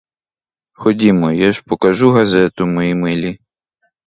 Ходімо, я ж покажу газету, мої милі.